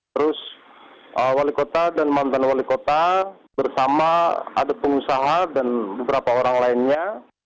terus wali kota dan mantan wali kota bersama ada pengusaha dan beberapa orang lainnya